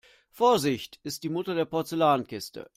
Vorsicht ist die Mutter der Porzellankiste.